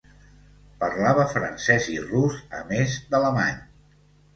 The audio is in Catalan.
Parlava francès i rus, a més d'alemany.